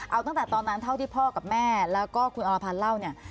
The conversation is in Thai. เอาตั้งแต่ตอนนั้นเท่าที่พ่อกับแม่แล้วก็คุณอรพันธ์เล่าเนี่ย